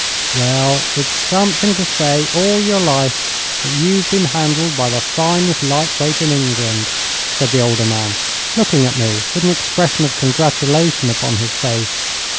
'Well, it's something to say all your life, that you've been handled by the finest light weight in England,' said the older man, looking at me with an expression of congratulation upon his face.